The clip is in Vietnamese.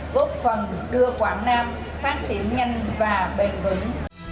góp phần đưa quảng nam phát triển nhanh và bền vững